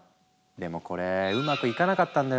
でもこれうまくいかなかったんだよね。